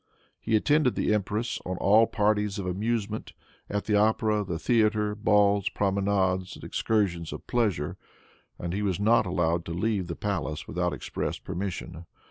He attended the empress on all parties of amusement, at the opera, the theater, balls, promenades and excursions of pleasure, and he was not allowed to leave the palace without express permission.